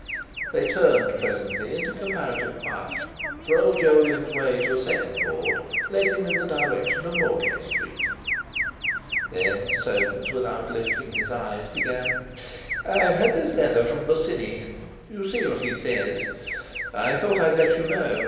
They turned presently into comparative quiet, for old Jolyon's way to a second Board led him in the direction of Moorage Street. Then Soames, without lifting his eyes, began: "I've had this letter from Bosinney. You see what he says; I thought I'd let you know.